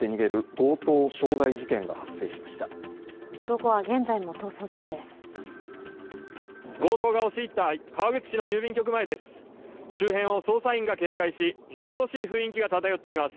強盗が押し入った川口市の郵便局前です。